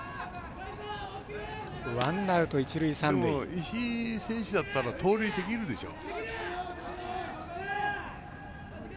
でも石井選手だったら盗塁できるでしょう。